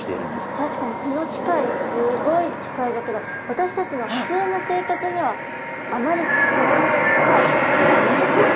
確かにこの機械すごい機械だけど私たちの普通の生活にはあまり使わない機械ですね。